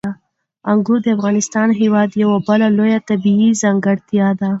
انګور د افغانستان هېواد یوه بله لویه طبیعي ځانګړتیا ده.